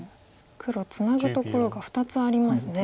黒ツナぐところが２つありますね。